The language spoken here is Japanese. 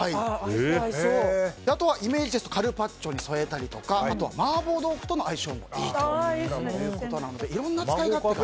あとはイメージですとカルパッチョに添えたりとかあとは麻婆豆腐との相性もいいということなのでいろいろな使い勝手がいい。